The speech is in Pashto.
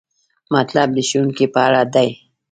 مطلب د ښوونکي په اړه دی.